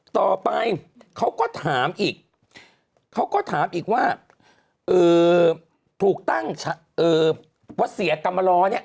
ต่อไปเขาก็ถามอีกเขาก็ถามอีกว่าถูกตั้งวัสเสียกรรมลอเนี่ย